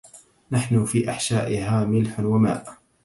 نحن في أحشائها ملح وماء